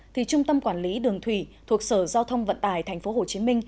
thì trung tâm quản lý đường thủy thuộc sở giao thông vận tải tp hcm